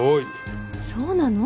そうなの？